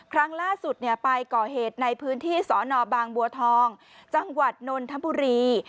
ครั้งล่าสุดไปก่อเหตุในพื้นที่สนบางบัวทองจังหวัดนนทบุรี